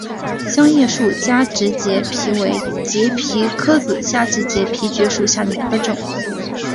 香叶树加植节蜱为节蜱科子加植节蜱属下的一个种。